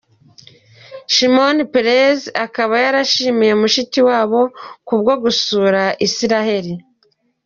Shimon Peres akaba yarashimiye Mushikiwabo ku bwo gusura Isiraheli.